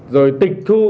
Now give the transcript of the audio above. rồi tịch thu